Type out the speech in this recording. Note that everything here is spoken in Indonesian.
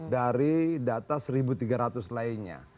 dari data satu tiga ratus lainnya